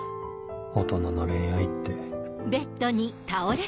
大人の恋愛って